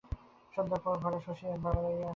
সন্ধ্যার পর ঘরে ঘরে শশী একবার বেড়াইয়া আসে।